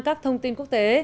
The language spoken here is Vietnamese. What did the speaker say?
các thông tin quốc tế